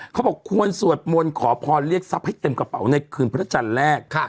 เขาบอกควรศวรรษมวลขอพรเรียกทรัพย์ให้เต็มกระเป๋าในขึ้นพระธาชันแรก